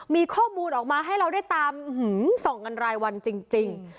มีข้อมูลออกมาให้เราได้ตามส่องกันรายวันจริง